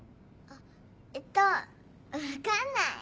あっえっと分かんない。